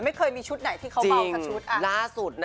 ไม่เคยมีชุดไหนที่เขาเบาสักชุด